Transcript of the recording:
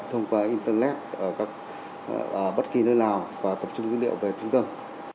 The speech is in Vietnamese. thông qua internet ở bất kỳ nơi nào và tập trung dữ liệu về chúng tôi